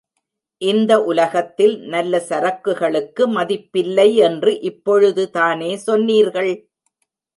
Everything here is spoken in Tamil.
இந்த உலகத்தில் நல்ல சரக்குகளுக்கு மதிப்பில்லை என்று இப் பொழுதுதானே சொன்னீர்கள்.